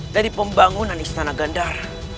dari pembangunan istana gandar